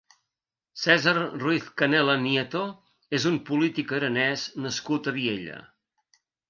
César Ruiz-Canela Nieto és un polític aranès nascut a Viella.